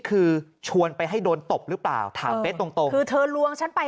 คือชวนไปให้โดนตบหรือเปล่าถามเป๊ะตรงตรงคือเธอลวงฉันไป